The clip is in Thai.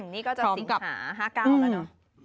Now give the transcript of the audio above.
นี่ก็จะสิงหา๕๙แล้วเนอะ